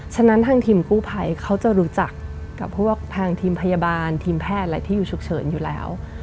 ฉะนั้นทางทีมกู้ภัยเขาจะรู้จักกับพวกทางทีมพยาบาลทีมแพทย์อะไรที่อยู่ฉุกเฉินอยู่แล้ว